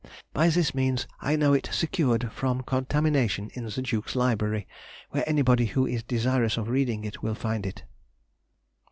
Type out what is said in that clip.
By this means, I know it secured from contamination in the Duke's library, where anybody who is desirous of reading it will find it.